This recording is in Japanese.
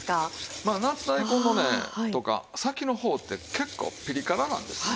夏大根のねとか先の方って結構ピリ辛なんですよ。